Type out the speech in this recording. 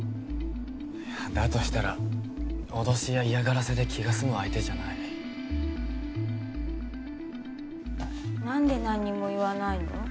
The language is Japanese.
だとしたら脅しや嫌がらせで気が済む相手じゃない何で何も言わないの？